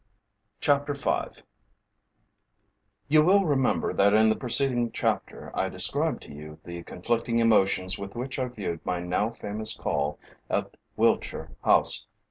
CHAPTER V You will remember that in the preceding chapter I described to you the conflicting emotions with which I viewed my now famous call at Wiltshire House.